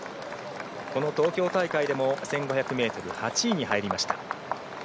この東京大会でも１５００ｍ８位に入りました。